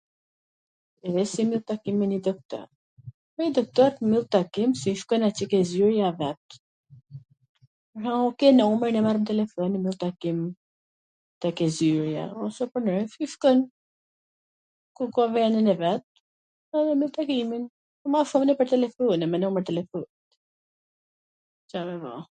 Si e mbyll takim me njw doktor? Me nj doktor takim e mbyll qw shkon aty ke zyrja e vet, ke numrin, e merr telefon dhe lw takim ke zyrja, ose pwrndryshe i shkon, ku ka venin e vet, edhe mbyll takimin, ma shum nwpwr telefona, me numur telefoni, Ca me ba.